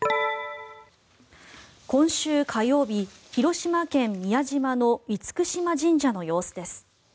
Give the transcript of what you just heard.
今週火曜日、広島県・宮島の厳島神社の様子です。